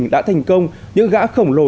đã thành công những gã khổng lồ